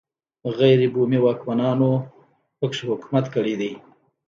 غیر بومي واکمنانو په کې حکومت کړی دی